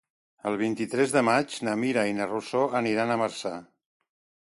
El vint-i-tres de maig na Mira i na Rosó aniran a Marçà.